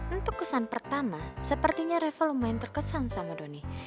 untuk kesan pertama sepertinya reva lumayan terkesan sama doni